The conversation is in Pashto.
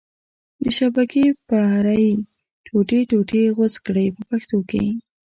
د شبکې په اره یې ټوټې ټوټې غوڅ کړئ په پښتو کې.